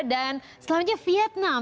dan selanjutnya vietnam